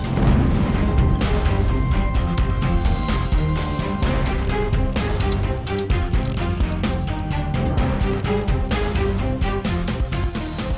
kamu bisa ke rumah